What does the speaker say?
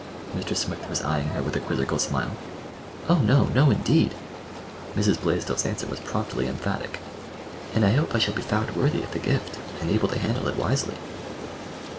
Mr. Smith was eyeing her with a quizzical smile. "Oh, no, no, indeed!" Mrs. Blaisdell's answer was promptly emphatic. "And I hope I shall be found worthy of the gift, and able to handle it wisely."